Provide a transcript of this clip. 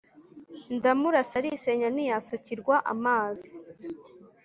Ndamurasa alisenya ntiyasukirwa amazi,